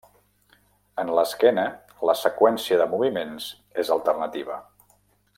En l'esquena la seqüència de moviments és alternativa.